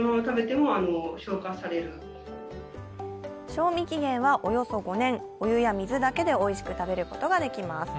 賞味期限はおよそ５年、お湯や水だけでおいしく食べることができます。